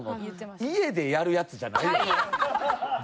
在宅でやるやつじゃないよな。